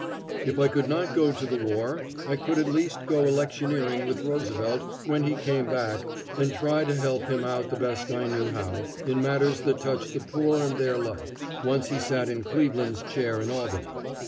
If I could not go to the war, I could at least go electioneering with Roosevelt when he came back and try to help him out the best I knew how in matters that touched the poor and their life, once he sat in Cleveland's chair in Albany.